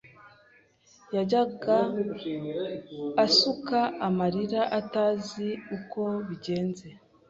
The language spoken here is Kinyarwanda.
yajyaga asuka amarira atazi uko bigenze